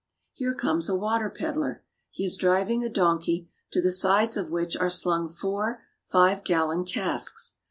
Here comes a water peddler. He is driving a donkey, to the sides of which are slung four five gallon casks.